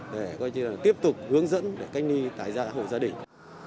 để tiếp tục hướng dẫn để canh ni tài gia hội gia đình